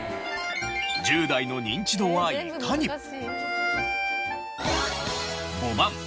１０代のニンチドはいかに？えっ！？